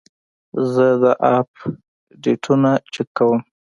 زه د اپ ډیټونه چک کوم.